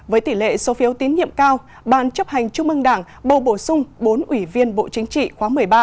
với tỷ lệ số phiếu tín nhiệm cao ban chấp hành trung ương đảng bầu bổ sung bốn ủy viên bộ chính trị khóa một mươi ba